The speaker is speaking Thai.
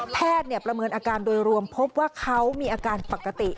ประเมินอาการโดยรวมพบว่าเขามีอาการปกติ